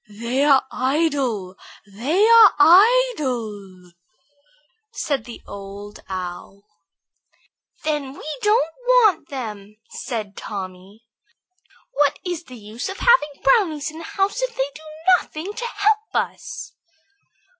"They are idle, they are idle," said the Old Owl. "Then we don't want them," said Tommy. "What is the use of having brownies in the house if they do nothing to help us?"